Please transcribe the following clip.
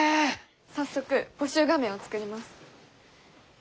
早速募集画面を作ります。